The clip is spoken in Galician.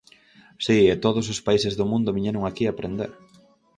Si, e todos os países do mundo viñeron aquí a aprender.